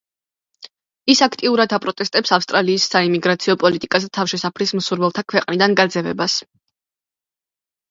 ის აქტიურად აპროტესტებს ავსტრალიის საიმიგრაციო პოლიტიკას და თავშესაფრის მსურველთა ქვეყნიდან გაძევებას.